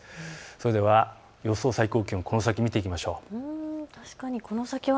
それでは予想最高気温、この先を見ていきましょう。